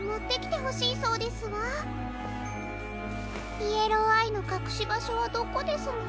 イエローアイのかくしばしょはどこですの？